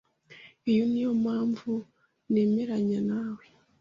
Iyi niyo mpamvu ntemeranya nawe.